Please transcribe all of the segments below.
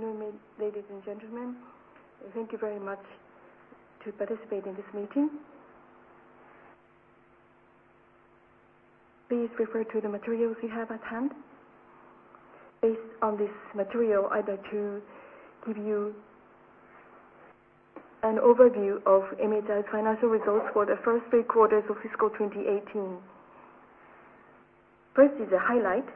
Good afternoon, ladies and gentlemen. Thank you very much to participate in this meeting. Please refer to the materials you have at hand. Based on this material, I'd like to give you an overview of MHI's financial results for the first three quarters of fiscal 2018. First is the highlight.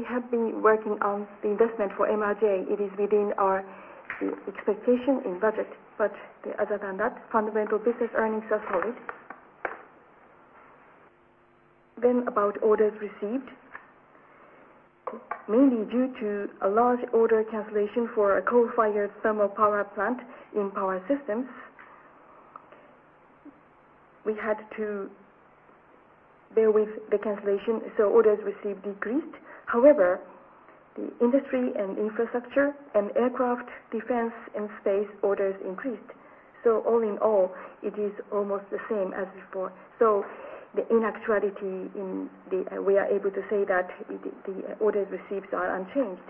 We have been working on the investment for MRJ. It is within our expectation and budget, but other than that, fundamental business earnings are solid. About orders received, mainly due to a large order cancellation for a coal-fired thermal power plant in power systems, we had to bear with the cancellation, so orders received decreased. However, the industry and infrastructure and aircraft, defense, and space orders increased. All in all, it is almost the same as before. In actuality, we are able to say that the orders received are unchanged.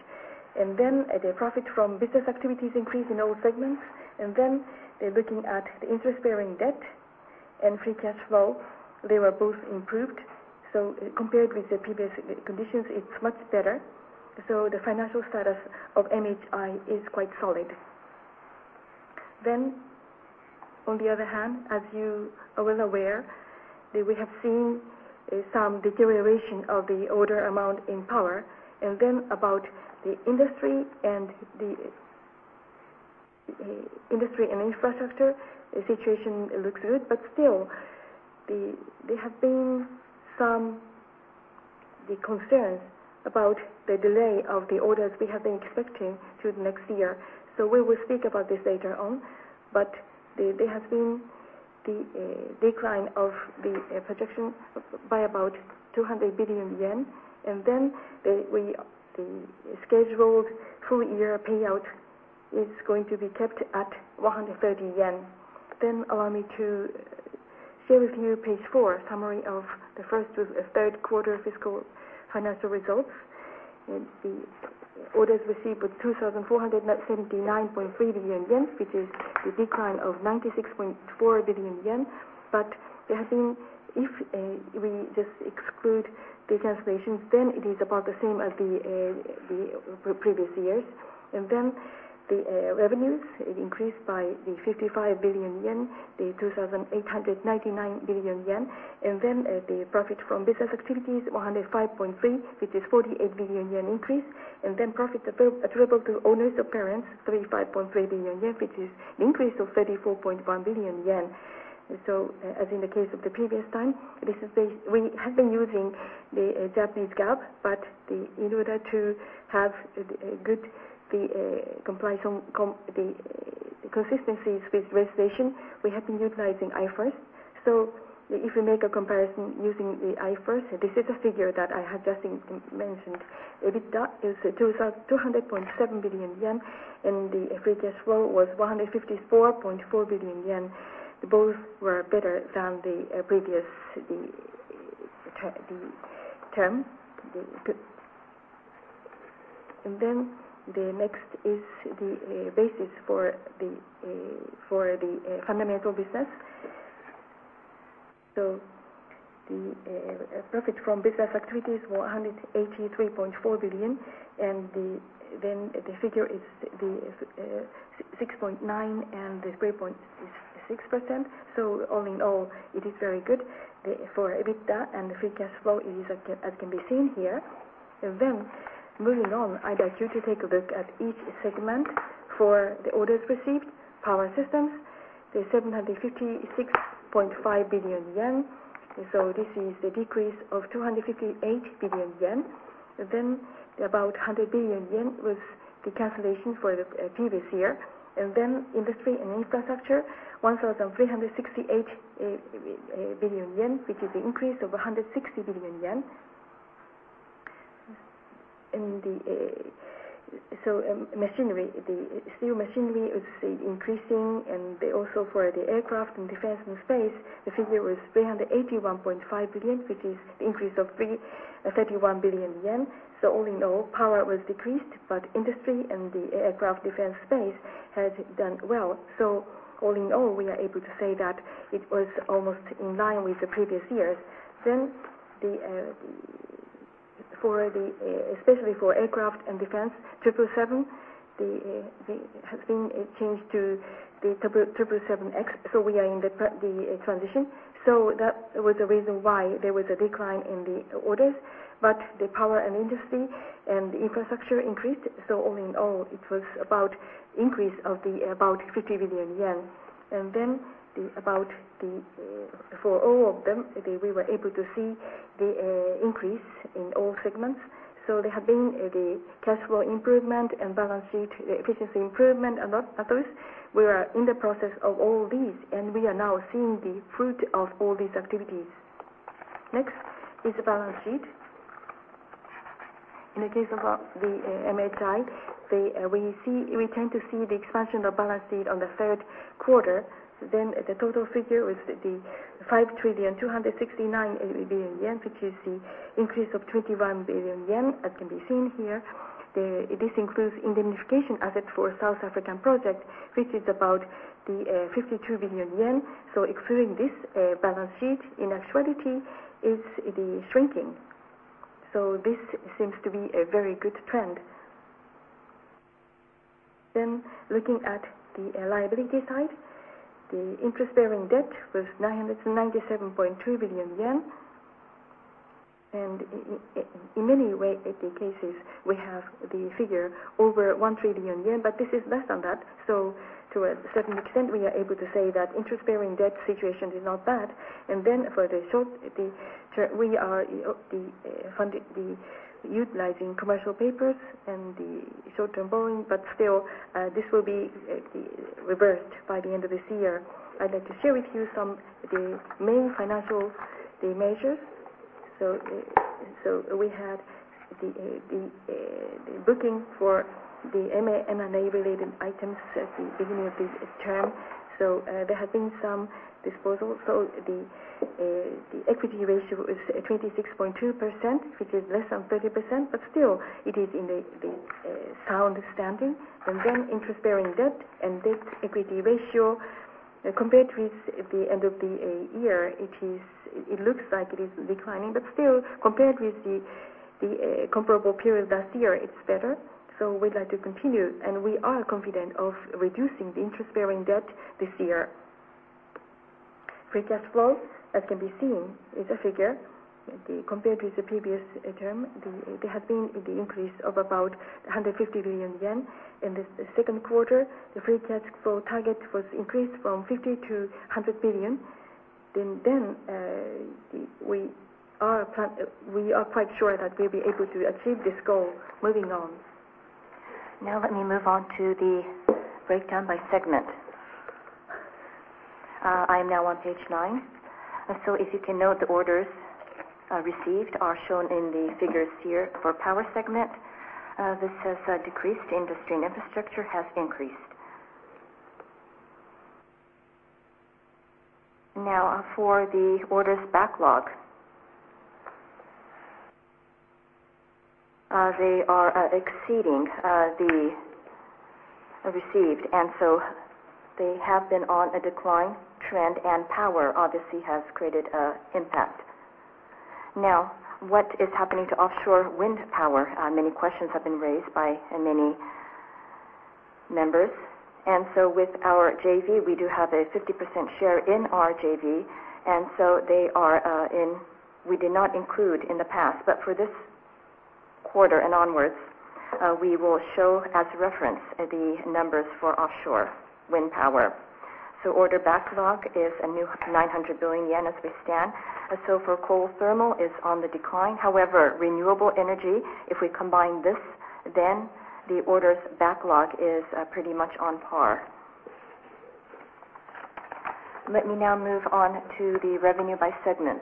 The profit from business activities increased in all segments. Looking at the interest-bearing debt and free cash flow, they were both improved. Compared with the previous conditions, it's much better. The financial status of MHI is quite solid. On the other hand, as you are well aware, we have seen some deterioration of the order amount in power. About the industry and infrastructure, the situation looks good, but still, there have been some concerns about the delay of the orders we have been expecting to next year. We will speak about this later on. But there has been the decline of the projection by about JPY 200 billion. The scheduled full year payout is going to be kept at 130 yen. Allow me to share with you page four, summary of the first to the third quarter fiscal financial results. The orders received were 2,479.3 billion yen, which is a decline of 96.4 billion yen. But if we just exclude the cancellations, it is about the same as the previous years. The revenues increased by 55 billion-2,899 billion yen. The profit from business activities, 105.3 billion, which is a 48 billion yen increase. Profit attributable to owners of parent, 35.3 billion yen, which is an increase of 34.1 billion yen. As in the case of the previous time, we have been using the Japanese GAAP, but in order to have good consistency with restatement, we have been utilizing IFRS. If we make a comparison using the IFRS, this is the figure that I have just mentioned. EBITDA is 200.7 billion yen and the free cash flow was 154.4 billion yen. Both were better than the previous term. The next is the basis for the fundamental business. The profit from business activities, 183.4 billion, and the figure is 6.9% and 3.6%. All-in-all, it is very good for EBITDA and free cash flow as can be seen here. Moving on, I'd like you to take a look at each segment for the orders received. Power systems, 756.5 billion yen. This is a decrease of 258 billion yen. About 100 billion yen was the cancellation for the previous year. Industry and infrastructure, 1,368 billion yen, which is an increase of 160 billion yen. Machinery, the steel machinery is increasing and also for the aircraft and defense and space, the figure was 381.5 billion, which is an increase of 31 billion yen. All in all, power was decreased, but industry and the aircraft defense space has done well. All in all, we are able to say that it was almost in line with the previous years. Especially for aircraft and defense Boeing 777, there has been a change to the Boeing 777X, we are in the transition. That was the reason why there was a decline in the orders. The power and industry and infrastructure increased, all in all, it was about an increase of 50 billion yen. For all of them, we were able to see the increase in all segments. There has been the cash flow improvement and balance sheet efficiency improvement. We are in the process of all these, and we are now seeing the fruit of all these activities. Next is the balance sheet. In the case of the MHI, we tend to see the expansion of balance sheet on the third quarter. The total figure with 5,269 billion yen, which you see increase of 21 billion yen, as can be seen here. This includes indemnification asset for South African project, which is about 52 billion yen. Excluding this balance sheet, in actuality, it is shrinking. This seems to be a very good trend. Looking at the liability side, the interest-bearing debt was 997.3 billion yen. In many cases, we have the figure over 1 trillion yen, but this is less than that. To a certain extent, we are able to say that interest-bearing debt situation is not bad. For the short, we are utilizing commercial papers and the short-term borrowing, but still, this will be reversed by the end of this year. I'd like to share with you some of the main financial measures. We had the booking for the M&A related items at the beginning of this term. There has been some disposal. The equity ratio is 26.2%, which is less than 30%, but still it is in a sound standing. Interest-bearing debt and debt equity ratio compared with the end of the year, it looks like it is declining, but still, compared with the comparable period last year, it's better. We'd like to continue, and we are confident of reducing the interest-bearing debt this year. Free cash flow, as can be seen, is a figure compared with the previous term. There has been the increase of about 150 billion yen. In the second quarter, the free cash flow target was increased from 50 billion-100 billion. We are quite sure that we'll be able to achieve this goal moving on. Let me move on to the breakdown by segment. I am now on page nine. If you can note, the orders received are shown in the figures here for power segment. This has decreased. Industry and infrastructure has increased. For the orders backlog. They are exceeding the received, and they have been on a decline trend, and power obviously has created an impact. What is happening to offshore wind power? Many questions have been raised by many members. With our JV, we do have a 50% share in our JV. We did not include in the past, but for this quarter and onwards, we will show as reference the numbers for offshore wind power. Order backlog is a new 900 billion yen as we stand. For coal thermal is on the decline, however, renewable energy, if we combine this, then the orders backlog is pretty much on par. Let me now move on to the revenue by segment.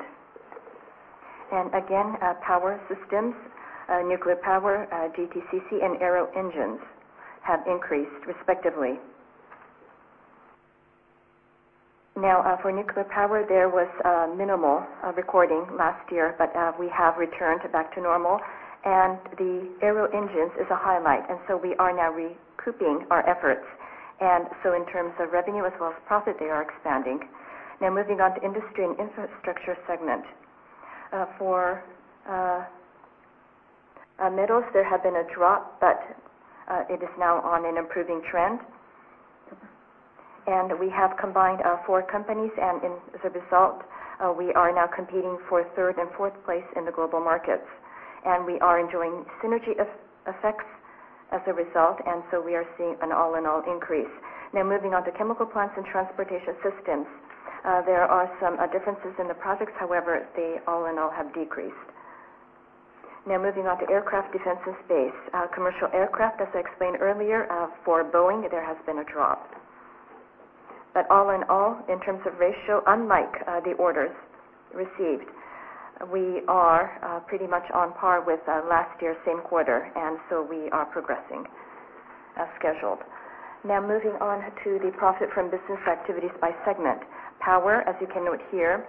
Power systems, nuclear power, GTCC, and aero engines have increased respectively. For nuclear power, there was a minimal recording last year, but we have returned back to normal, and the aero engines is a highlight. We are now recouping our efforts. In terms of revenue as well as profit, they are expanding. Moving on to industry and infrastructure segment. For metals, there had been a drop, but it is now on an improving trend. We have combined 4 companies, and as a result, we are now competing for third and fourth place in the global markets. We are enjoying synergy effects as a result, so we are seeing an all in all increase. Moving on to chemical plants and transportation systems. There are some differences in the projects, however, they all in all have decreased. Moving on to aircraft, defense, and space. Commercial aircraft, as I explained earlier, for Boeing, there has been a drop. All-in-all, in terms of ratio, unlike the orders received, we are pretty much on par with last year's same quarter, so we are progressing as scheduled. Moving on to the profit from business activities by segment. Power, as you can note here,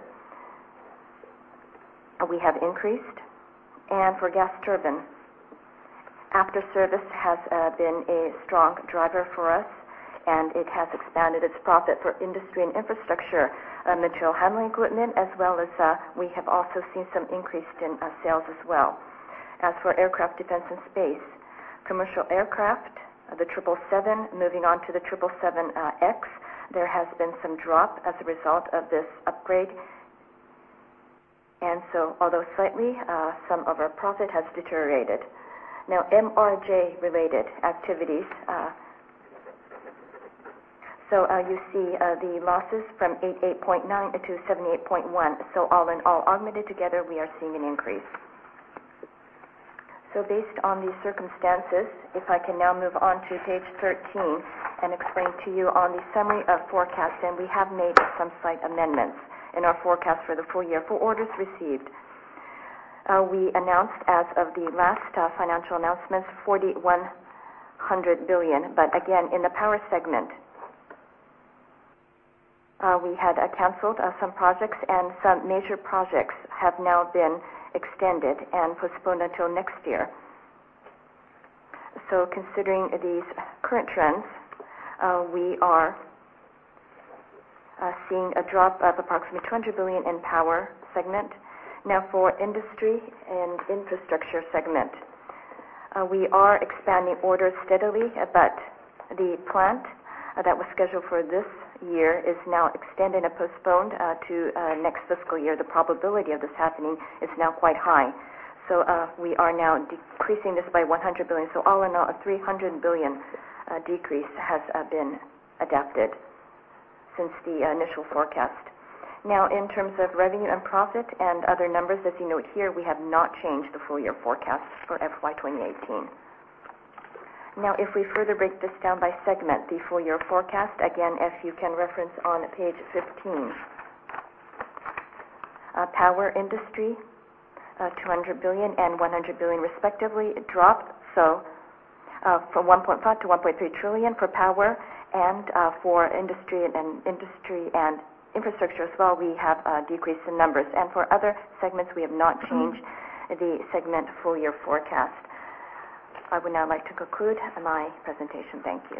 we have increased. For gas turbine, after-service has been a strong driver for us, and it has expanded its profit for industry and infrastructure, material handling equipment, as well as we have also seen some increase in sales as well. As for aircraft, defense, and space. Commercial aircraft, the Boeing 777, moving on to the Boeing 777X, there has been some drop as a result of this upgrade. Although slightly, some of our profit has deteriorated. MRJ related activities. You see the losses from 88.9-78.1. All in all, augmented together, we are seeing an increase. Based on these circumstances, if I can now move on to page 13 and explain to you on the summary of forecast, and we have made some slight amendments in our forecast for the full year. For orders received, we announced as of the last financial announcement, 4,100 billion. In the power segment, we had canceled some projects and some major projects have now been extended and postponed until next year. Considering these current trends, we are seeing a drop of approximately 200 billion in power segment. For industry and infrastructure segment. We are expanding orders steadily, but the plant that was scheduled for this year is now extended and postponed to next fiscal year. The probability of this happening is now quite high. We are now decreasing this by 100 billion. All in all, a 300 billion decrease has been adapted since the initial forecast. In terms of revenue and profit and other numbers, as you note here, we have not changed the full year forecast for FY 2018. If we further break this down by segment, the full year forecast, again, as you can reference on page 15. Power, industry, 200 billion and 100 billion respectively drop. From 1.5 trillion-1.3 trillion for power and for industry and infrastructure as well, we have a decrease in numbers. For other segments, we have not changed the segment full year forecast. I would now like to conclude my presentation. Thank you.